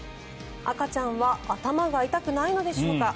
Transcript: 赤ちゃんは頭が痛くないのでしょうか。